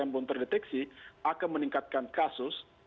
yang belum terdeteksi akan meningkatkan kasus